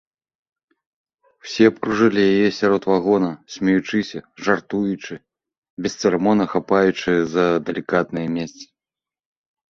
Усе абкружылі яе сярод вагона, смеючыся, жартуючы, бесцырымонна хапаючы за далікатныя месцы.